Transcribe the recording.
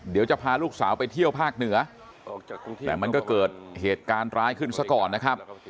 เดี๋ยวจะพาลูกสาวไปเที่ยวภาคเหนือแต่มันก็เกิดเหตุการณ์ร้ายขึ้นซะก่อนนะครับ